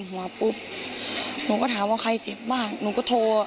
หนูก็ถามว่าใครเจ็บบ้างหนูก็โทร